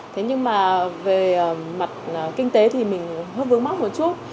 thế nhưng mà về mặt kinh tế thì mình hước vướng móc một chút